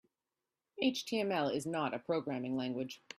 HTML is not a programming language.